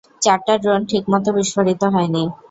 চারটা ড্রোন ঠিকমত বিস্ফোরিত হয়নি।